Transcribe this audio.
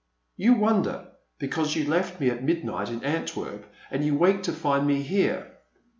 You wonder, because you left me at midnight in Antwerp and you wake to find me here.